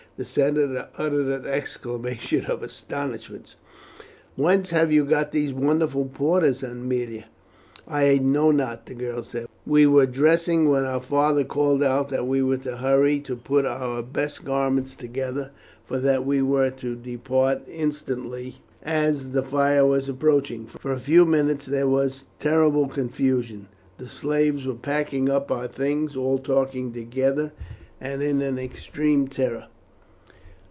The senator uttered an exclamation of astonishment. "Whence have you got these wonderful porters, Aemilia?" "I know not," the girl said. "We were dressing, when our father called out that we were to hurry and to put our best garments together, for that we were to depart instantly, as the fire was approaching. For a few minutes there was terrible confusion. The slaves were packing up our things, all talking together, and in an extreme terror.